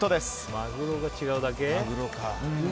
マグロが違うだけ？